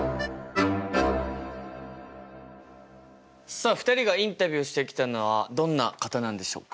さあ２人がインタビューしてきたのはどんな方なんでしょうか？